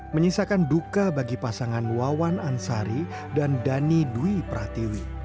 menyisakan duka bagi pasangan wawan ansari dan dhani dwi pratiwi